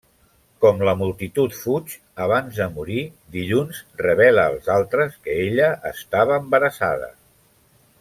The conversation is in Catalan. Com la multitud fuig, abans de morir Dilluns revela als altres que ella estava embarassada.